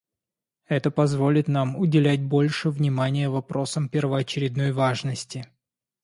Это позволит нам уделять больше внимания вопросам первоочередной важности.